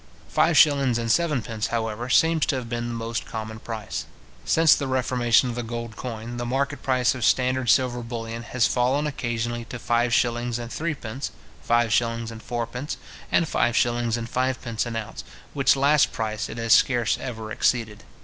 Five shillings and sevenpence, however, seems to have been the most common price. Since the reformation of the gold coin, the market price of standard silver bullion has fallen occasionally to five shillings and threepence, five shillings and fourpence, and five shillings and fivepence an ounce, which last price it has scarce ever exceeded.